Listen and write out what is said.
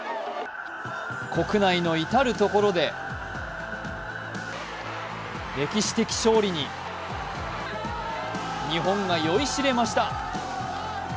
国内の至る所で歴史的勝利に日本が酔いしれました。